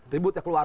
ribut yang keluar